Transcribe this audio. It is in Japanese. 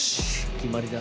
決まりだ。